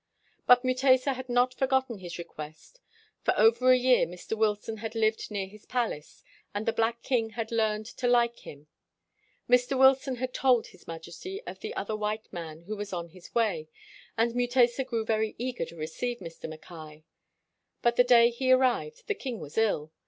But Mutesa had not forgotten his request. For over a year Mr. Wilson had lived near his palace, and the black king had learned to like him. Mr. Wilson had told his Maj esty of the other white man who was on his way, and Mutesa grew very eager to receive Mr. Mackay. But the day he arrived the king was ill.